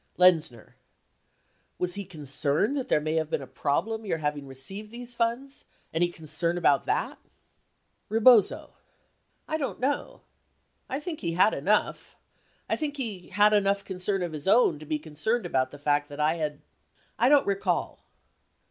Lenzner. Was he concerned that there may have been a problem your having received these funds — any concern about that? Rebozo. I don't know. I think he had enough. I think he had enough concern of his own to be concerned about the fact that I had I don't recall.